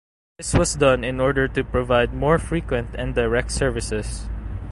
This was done in order to provide more frequent and direct services.